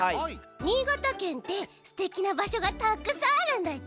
新潟県ってすてきなばしょがたくさんあるんだち？